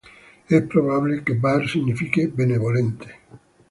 Es probable que ""Var"" signifique ""benevolente"".